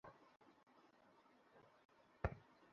তুমি নিজের মান-ইজ্জত খোয়াচ্ছো।